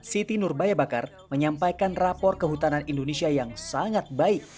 siti nurbaya bakar menyampaikan rapor kehutanan indonesia yang sangat baik